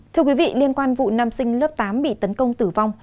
thưa quý vị liên quan vụ nam sinh lớp tám bị tấn công tử vong